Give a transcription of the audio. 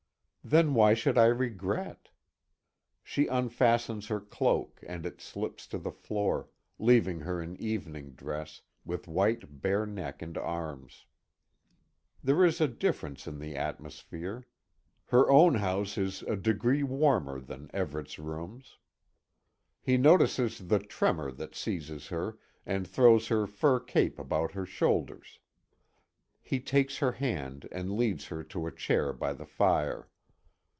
"Then why should I regret?" She unfastens her cloak, and it slips to the floor, leaving her in evening dress, with white bare neck and arms. There is a difference in the atmosphere. Her own house is a degree warmer than Everet's rooms. He notices the tremor that seizes her, and throws her fur cape about her shoulders. He takes her hand and leads her to a chair by the fire.